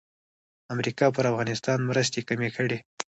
امریکا پر افغانستان مرستې کمې کړې.